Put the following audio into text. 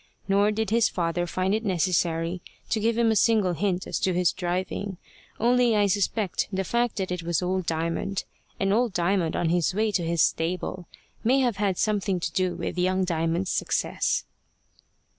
Nor did his father find it necessary to give him a single hint as to his driving. Only I suspect the fact that it was old Diamond, and old Diamond on his way to his stable, may have had something to do with young Diamond's success.